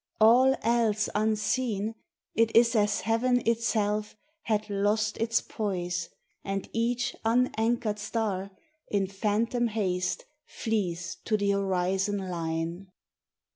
All else unseen, it is as heaven itself Had lost its poise, and each unanchored star In phantom haste flees to the horizon line.